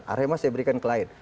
saya berikan ke lain